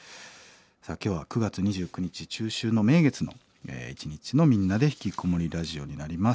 さあ今日は９月２９日中秋の名月の一日の「みんなでひきこもりラジオ」になります。